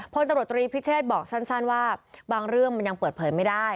พลตำรวจตรีพิเชษบอกสั้นว่าบางเรื่องมันยังเปิดเผยไม่ได้